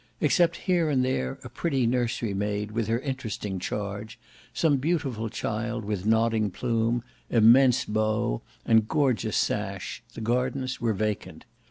Except here and there a pretty nursery maid with her interesting charge; some beautiful child with nodding plume, immense bow, and gorgeous sash; the gardens were vacant.